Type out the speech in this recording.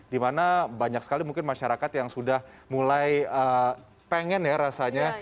dimana banyak sekali mungkin masyarakat yang sudah mulai pengen ya rasanya